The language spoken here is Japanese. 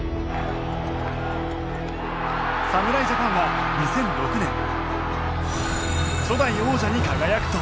侍ジャパンは２００６年初代王者に輝くと。